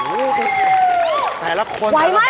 ไวไหมขนมเค้ก